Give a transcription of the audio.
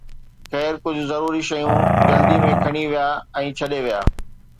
خير، ڪجهه ضروري شيون جلدي ۾ کڻي ويا ۽ ڇڏي ويا.